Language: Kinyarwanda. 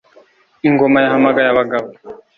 Ingoma yahamagaye abagabo